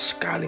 b beta rush